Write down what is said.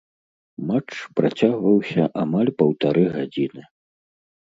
Матч працягваўся амаль паўтары гадзіны.